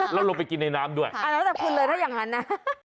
แล้วเราไปกินน้ำด้วยค่ะค่ะแล้วโอเคมาน้ำจากคุณเลยถ้าอย่างงั้นอะ